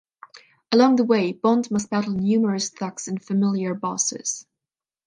Along the way, Bond must battle numerous thugs and familiar bosses.